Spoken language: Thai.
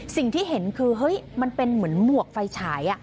สิ่งที่เห็นคือเฮ้ยมันเป็นเหมือนหมวกไฟฉาย